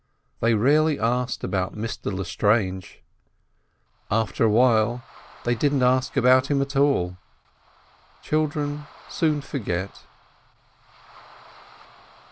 They rarely asked about Mr Lestrange; after a while they did not ask about him at all. Children soon forget.